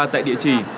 tại địa chỉ